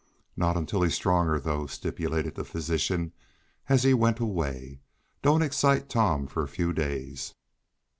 "Not until he is stronger, though," stipulated the physician as he went away. "Don't excite Tom for a few days."